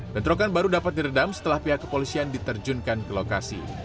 bentrokan baru dapat diredam setelah pihak kepolisian diterjunkan ke lokasi